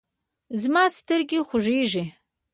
زما سترګې خوږیږي